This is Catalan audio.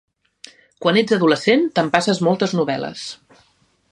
Quan ets adolescent t'empasses moltes novel·les.